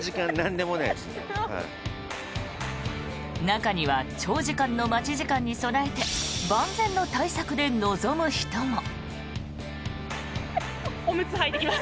中には長時間の待ち時間に備えて万全の対策で臨む人も。